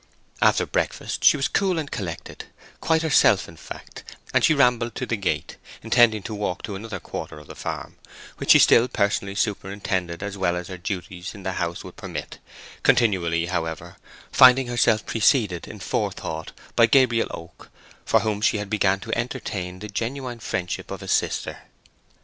After breakfast she was cool and collected—quite herself in fact—and she rambled to the gate, intending to walk to another quarter of the farm, which she still personally superintended as well as her duties in the house would permit, continually, however, finding herself preceded in forethought by Gabriel Oak, for whom she began to entertain the genuine friendship of a sister.